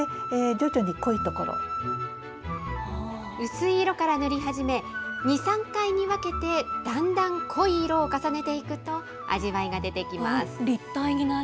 薄い色から塗り始め、２、３回に分けて、だんだん濃い色を重ねていくと、味わいが出てきます。